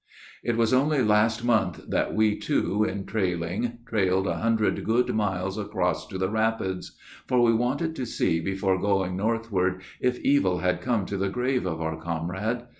It was only last month that we two, in trailing, Trailed a hundred good miles across to the rapids. For we wanted to see before going northward If evil had come to the grave of our comrade.